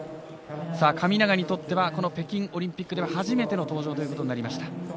神長にとっては北京オリンピックでは初めての登場ということになりました。